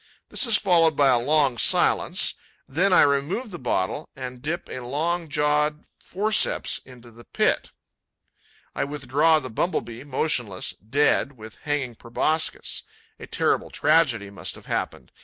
This is followed by a long silence. Then I remove the bottle and dip a long jawed forceps into the pit. I withdraw the Bumble bee, motionless, dead, with hanging proboscis. A terrible tragedy must have happened.